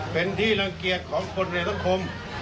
เป็นที่รังเกียจของคนในสังคม